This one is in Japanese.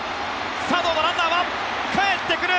サードのランナーはかえってくる！